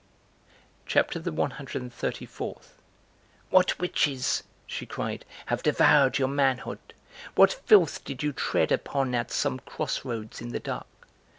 CHAPTER THE ONE HUNDRED AND THIRTY FOURTH. "What witches" (she cried,) "have devoured your manhood? What filth did you tread upon at some crossroads, in the dark?